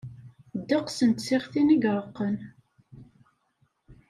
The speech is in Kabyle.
Ddegs n tsiɣtin iy iṛeqqen.